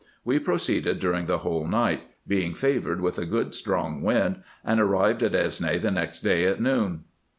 We proceeded during the whole night, being favoured with a good strong wind, and arrived at Esne the next day at noon.